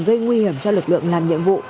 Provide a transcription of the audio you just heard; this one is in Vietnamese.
gây nguy hiểm cho lực lượng làm nhiệm vụ